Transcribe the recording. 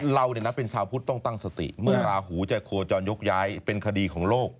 เราเป็นชาวพุทธต้องตั้งสติเมื่อราหูจะโคจรยกย้ายเป็นคดีของโลก